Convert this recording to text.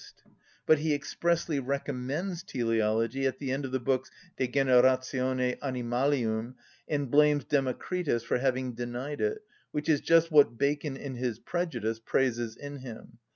_) But he expressly recommends teleology at the end of the books De generatione animalium, and blames Democritus for having denied it, which is just what Bacon, in his prejudice, praises in him.